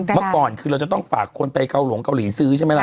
เมื่อก่อนคือเราจะต้องฝากคนไปเกาหลงเกาหลีซื้อใช่ไหมล่ะ